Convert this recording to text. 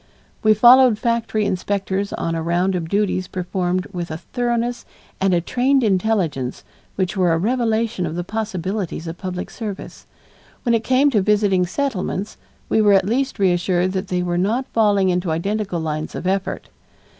We followed factory inspectors on a round of duties performed with a thoroughness and a trained intelligence which were a revelation of the possibilities of public service. When it came to visiting Settlements, we were at least reassured that they were not falling into identical lines of effort.